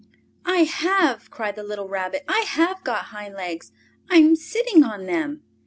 "I have!" cried the little Rabbit. "I have got hind legs! I am sitting on them!"